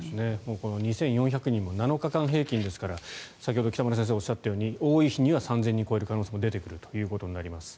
２４００人も７日間平均ですから先ほど北村先生がおっしゃったように多い日は３０００人を超える日も出てくると思います。